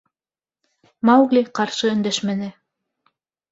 Маугли ҡаршы өндәшмәне.